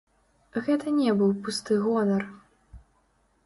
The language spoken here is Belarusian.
Гэта не быў пусты гонар.